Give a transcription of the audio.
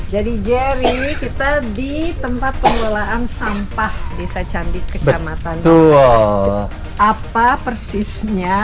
jadi jerry kita di tempat pengolahan sampah desa candi kecamatan tumor apa persisnya